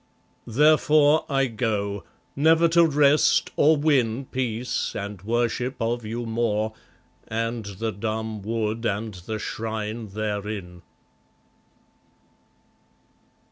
Therefore I go; never to rest, or win Peace, and worship of you more, and the dumb wood and the shrine therein.